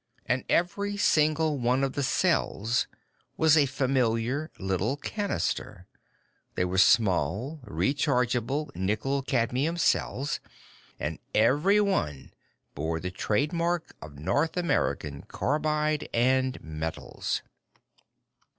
And every single one of the cells was a familiar little cannister. They were small, rechargeable nickel cadmium cells, and every one bore the trademark of North American Carbide & Metals!